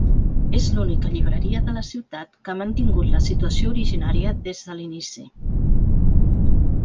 És l’única llibreria de la ciutat que ha mantingut la situació originària des de l’inici.